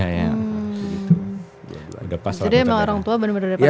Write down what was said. jadi emang orang tua benar benar dari padang lawas ya